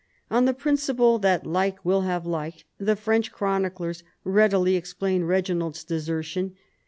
On the principle that like will have like, the French chroniclers readily explain Reginald's desertion.